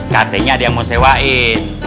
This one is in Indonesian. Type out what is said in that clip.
katanya ada yang mau sewain